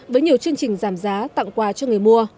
với nhiều chương trình giảm giá tặng quà cho người mua